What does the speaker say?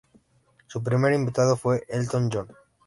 Su primer invitado fue Elton John.